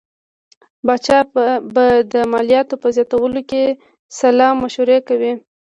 پاچا به د مالیاتو په زیاتولو کې سلا مشورې کوي.